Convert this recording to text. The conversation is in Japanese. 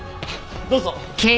どうぞ。